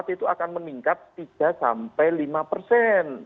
dua ribu dua puluh empat itu akan meningkat tiga lima persen